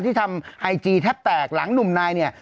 ที่ทำไอจีแทบแตกหลังหนุ่มนายเนี่ย